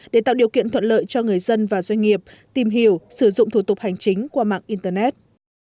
để tạo điều kiện thuận lợi cho người dân và doanh nghiệp tìm hiểu sử dụng thủ tục hành chính qua mạng internet